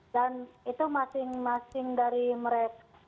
dan itu masing masing dari mereka